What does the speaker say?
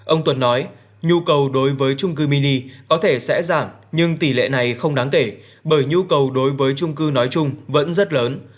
ông tuần nói nhu cầu đối với trung cư mini có thể sẽ giảm nhưng tỷ lệ này không đáng kể bởi nhu cầu đối với trung cư nói chung vẫn rất lớn